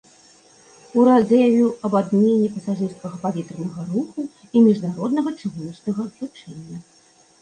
Урад заявіў аб адмене пасажырскага паветранага руху і міжнароднага чыгуначнага злучэння.